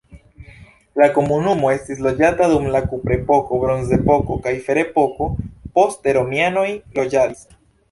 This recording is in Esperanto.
La komunumo estis loĝata dum la kuprepoko, bronzepoko kaj ferepoko, poste romianoj loĝadis.